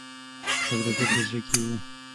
غږ د ده په زړه کې و.